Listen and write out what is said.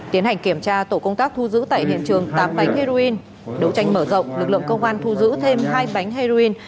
tiến hành kiểm tra tổ công tác thu giữ tại hiện trường tám bánh heroin đấu tranh mở rộng lực lượng công an thu giữ thêm hai bánh heroin